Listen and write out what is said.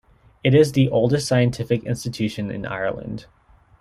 It is the oldest scientific institution in Ireland.